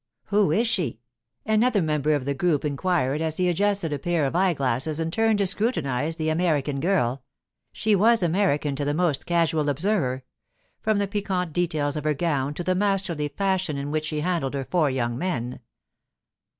'Who is she?' another member of the group inquired as he adjusted a pair of eye glasses and turned to scrutinize the American girl—she was American to the most casual observer, from the piquant details of her gown to the masterly fashion in which she handled her four young men.